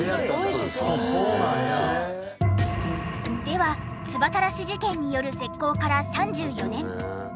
では唾たらし事件による絶交から３４年。